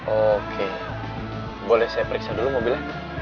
oke boleh saya periksa dulu mobilnya